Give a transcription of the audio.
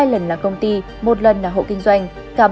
hai lần là công ty một lần là hộ kinh doanh